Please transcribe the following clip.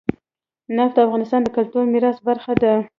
نفت د افغانستان د کلتوري میراث برخه ده.